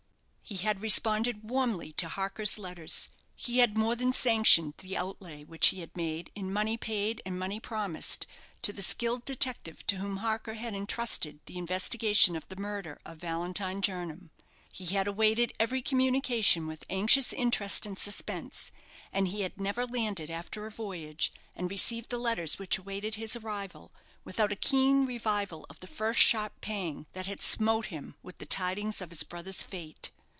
He had responded warmly to Harker's letters; he had more than sanctioned the outlay which he had made, in money paid and money promised, to the skilled detective to whom Harker had entrusted the investigation of the murder of Valentine Jernam. He had awaited every communication with anxious interest and suspense, and he had never landed after a voyage, and received the letters which awaited his arrival, without a keen revival of the first sharp pang that had smote him with the tidings of his brother's fate.